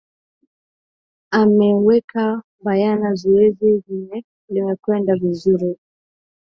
ameweka bayana zoezi limekwenda vizuri